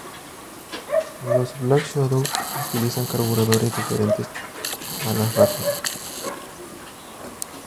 Las Black Shadow utilizaban carburadores diferentes a las Rapide.